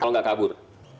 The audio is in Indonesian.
kalau nggak kabur